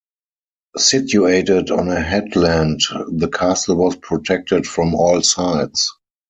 Situated on a headland, the castle was protected from all sides.